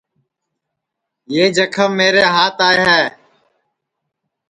یو جکھم میرے ہات آئے ہے